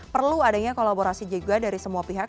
perlu adanya kolaborasi juga dari semua pihak